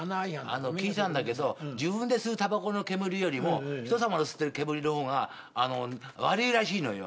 聞いたんだけど自分で吸うたばこの煙よりも人様の吸ってる煙の方が悪いらしいのよ。